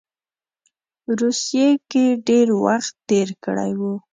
روسیې کې ډېر وخت تېر کړی وو.